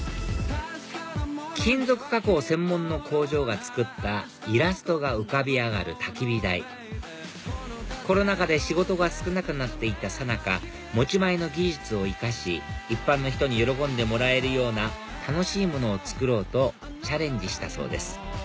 金属加工専門の工場が作ったイラストが浮かび上がるたき火台コロナ禍で仕事が少なくなっていたさなか持ち前の技術を生かし一般の人に喜んでもらえるような楽しいものを作ろうとチャレンジしたそうです